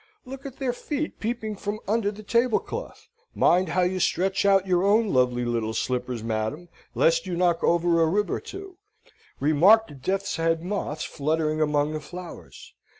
Look at their feet peeping from under the tablecloth. Mind how you stretch out your own lovely little slippers, madam, lest you knock over a rib or two. Remark the death's head moths fluttering among the flowers.